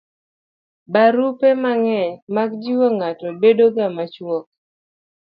barupe mang'eny mag jiwo ng'ato bedo ga machuok